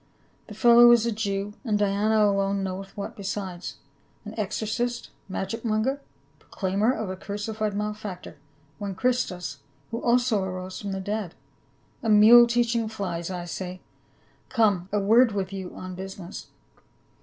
The fellow is a Jew — and Diana alone knoweth what besides — an exorcist, magic monger, proclaimer of a crucified malefactor, one Christus, who also arose from the dead. A mule teaching flies, say I. Come, a word with you on business."